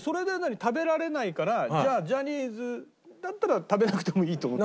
食べられないからじゃあジャニーズだったら食べなくてもいいと思ったの？